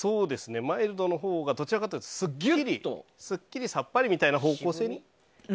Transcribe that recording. マイルドのほうがどちらかというとすっきりさっぱりという方向性に。